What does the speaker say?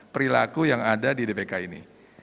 perilaku yang ada di dpk ini